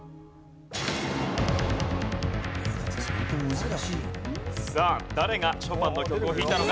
続いてはさあ誰がショパンの曲を弾いたのか？